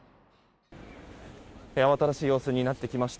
慌ただしい様子になってきました。